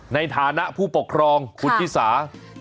ในฐานะผู้ปกครองคุณชิสา